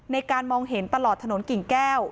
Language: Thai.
ในการมองเห็นตลอดถนนกิ่งแก้ว